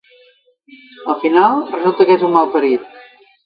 Al final, resulta que és un malparit.